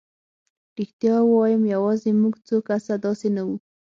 رښتیا ووایم یوازې موږ څو کسه داسې نه وو.